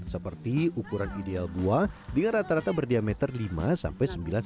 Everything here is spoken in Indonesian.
seperti ukuran ideal buah dengan rata rata berdiameter lima sampai sembilan cm